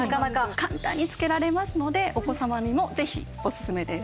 簡単に付けられますのでお子さまにもぜひオススメです。